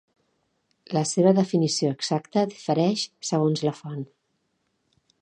La seva definició exacta difereix segons la font.